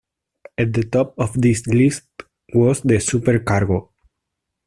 At the top of this list was the supercargo.